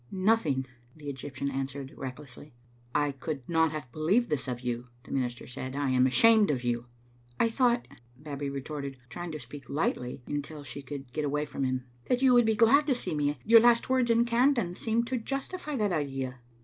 "Nothing," the Eg}^ptian answered, recklessly. " I could not have believed this of you," the minister said; " I am ashamed of you." " I thought," Babbie retorted, trying to speak lightly until she could get away from him, " that you would be glad to see me. Your last words in Caddam seemed to justify that idea."